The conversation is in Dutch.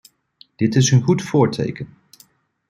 Dit is een goed voorteken.